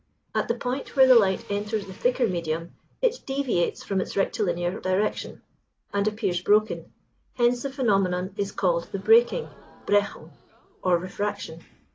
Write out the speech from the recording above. At the point where the light enters the thicker medium it deviates from its rectilinear direction, and appears broken: hence the phenomenon is called the breaking (brechung) or refraction.